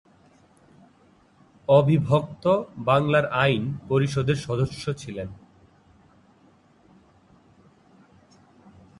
অবিভক্ত বাংলার আইন পরিষদের সদস্য ছিলেন।